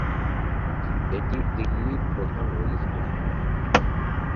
এটি দিল্লির প্রধান রেল স্টেশন।